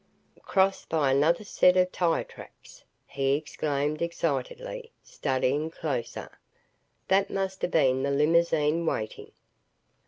"Crossed by another set of tire tracks!" he exclaimed excitedly, studying closer. "That must have been the limousine, waiting."